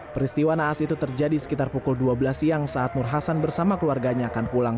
peristiwa naas itu terjadi sekitar pukul dua belas siang saat nur hasan bersama keluarganya akan pulang